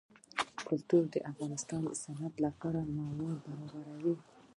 کلتور د افغانستان د صنعت لپاره مواد برابروي.